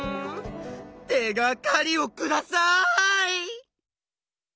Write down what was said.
手がかりをください！